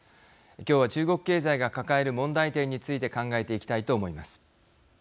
今日は中国経済が抱える問題点について考えていきたいと思います。